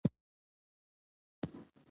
د چوغکو او اوبو په آوازونو